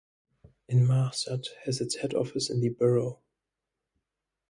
Inmarsat has its head office in the borough.